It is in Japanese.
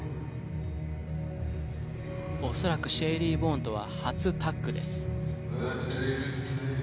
恐らくシェイリーン・ボーンとは初タッグです。